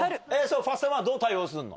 ファッサマはどう対応すんの？